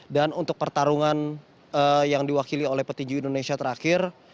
dan untuk pertarungan yang diwakili oleh petinju indonesia terakhir